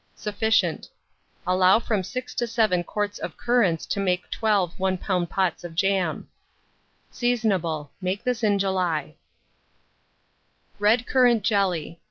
Sufficient. Allow from 6 to 7 quarts of currants to make 12 1 lb, pots of jam. Seasonable. Make this in July. RED CURRANT JELLY.